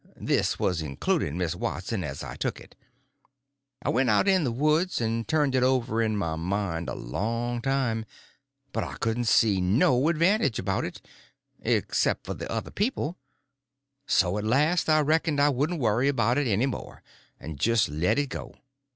This was including Miss Watson, as I took it. I went out in the woods and turned it over in my mind a long time, but I couldn't see no advantage about it—except for the other people; so at last I reckoned I wouldn't worry about it any more, but just let it go.